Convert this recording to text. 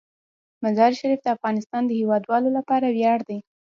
مزارشریف د افغانستان د هیوادوالو لپاره ویاړ دی.